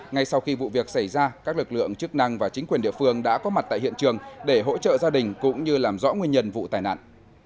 ngay sau khi vụ việc xảy ra các lực lượng chức năng và chính quyền địa phương đã có mặt tại hiện trường để hỗ trợ gia đình cũng như làm rõ nguyên nhân vụ tai nạn